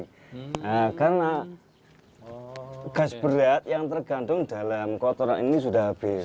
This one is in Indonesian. karena gas berat yang tergantung dalam kotoran ini sudah habis